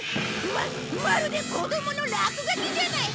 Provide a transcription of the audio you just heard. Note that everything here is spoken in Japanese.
ままるで子供の落書きじゃないか！